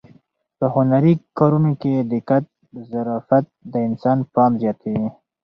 په هنري کارونو کې دقت او ظرافت د انسان پام زیاتوي.